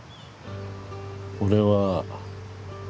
俺は。